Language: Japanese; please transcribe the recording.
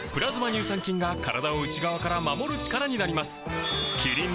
乳酸菌が体を内側から守る力になります